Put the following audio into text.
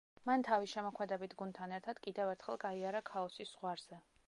მან თავის შემოქმედებით გუნდთან ერთად კიდევ ერთხელ გაიარა ქაოსის ზღვარზე.